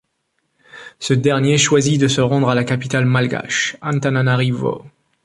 Ce dernier choisit de se rendre à la capitale malgache, Antananarivo.